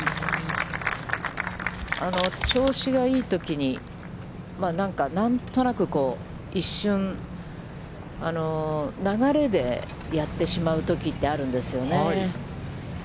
調子がいいときに、なんか何となく、一瞬流れでやってしまうときって、あるんですよね。